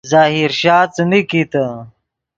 ظاہر شاہ څیمین کیتے